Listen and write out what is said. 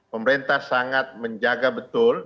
pemerintah sangat menjaga betul